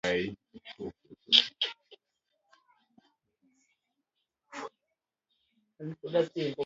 Kik mbaka bayi